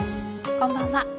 こんばんは。